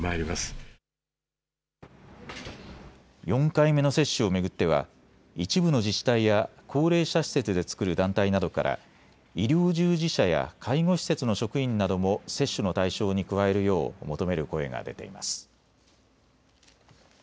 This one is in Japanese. ４回目の接種を巡っては一部の自治体や高齢者施設でつくる団体などから医療従事者や介護施設の職員なども接種の対象に加えるよう求める声が出ています。